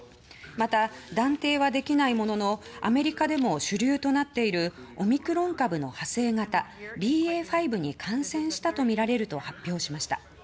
また、断定はできないもののアメリカでも主流となっているオミクロン株の派生型ＢＡ．５に感染したとみられると発表しました。